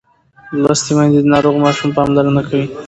لوستې میندې د ناروغ ماشوم پاملرنه کوي.